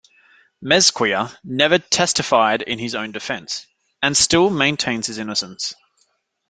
Mezquia never testified in his own defense, and still maintains his innocence.